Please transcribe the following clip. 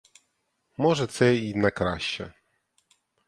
Може, це й на краще.